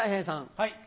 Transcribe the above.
はい。